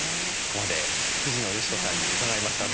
ここまで藤野嘉子さんに伺いました。